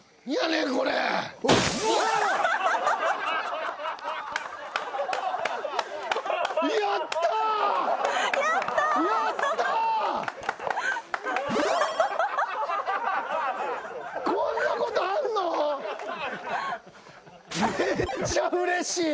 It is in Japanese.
めっちゃうれしい。